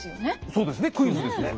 そうですねクイズですね。